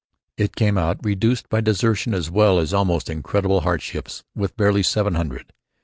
It came out, reduced by desertion as well as by almost incredible hardships, with barely seven hundred.